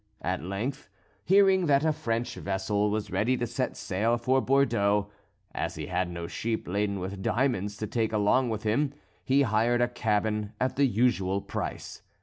At length hearing that a French vessel was ready to set sail for Bordeaux, as he had no sheep laden with diamonds to take along with him he hired a cabin at the usual price.